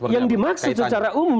yang dimaksud secara umum